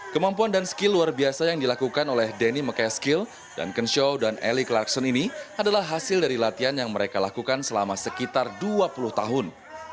kemampuan dan skill luar biasa yang dilakukan oleh danny mac askell duncan shaw dan ellie clarkson ini adalah hasil dari latihan yang mereka lakukan selama sekitar dua puluh tahun